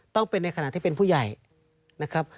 ต้องเป็นในขณะที่เป็นผู้ใหญ่นะครับ